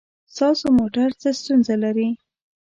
ستاسو موټر څه ستونزه لري؟